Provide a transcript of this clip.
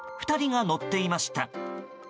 ２人が乗っていました。